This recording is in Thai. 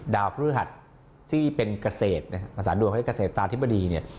ดาวพฤหัสที่เป็นเกษตรภาษาดวงเขาเรียกว่าเกษตรตาธิบดี